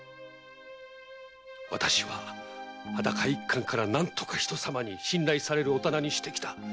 私は裸一貫から何とか人様に信頼されるお店にしてきた。